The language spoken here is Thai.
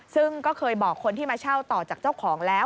ซึ่งก็เคยบอกคนที่มาเช่าต่อจากเจ้าของแล้ว